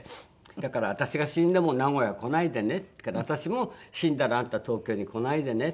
「だから私が死んでも名古屋来ないでね」って言うから私も「死んだらあんた東京に来ないでね」